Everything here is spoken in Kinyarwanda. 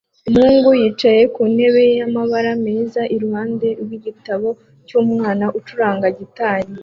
Umuhungu yicaye ku ntebe y'amabara meza iruhande rw'igitabo cy'umwana acuranga gitari